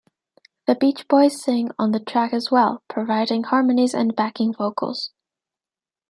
The Beach Boys sing on the track as well, providing harmonies and backing vocals.